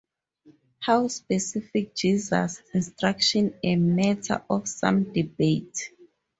How specific Jesus' instruction a matter of some debate.